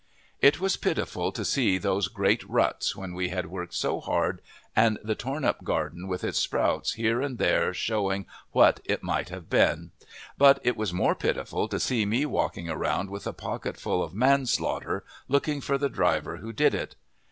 It was pitiful to see those great ruts when we had worked so hard, and the torn up garden with its sprouts here and there showing what it might have been. But it was more pitiful to see me walking around with a pocketful of manslaughter, looking for the driver who did it.